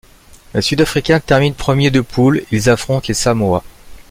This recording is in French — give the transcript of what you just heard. Les Sud-africains terminent premiers de poule, ils affrontent les Samoa.